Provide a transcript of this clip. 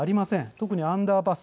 特にアンダーパス。